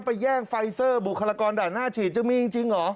แย่งไฟเซอร์บุคลากรด่านหน้าฉีดจะมีจริงเหรอ